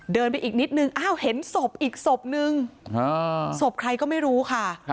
เดินไปอีกนิดนึงอ้าวเห็นศพอีกศพนึงศพใครก็ไม่รู้ค่ะ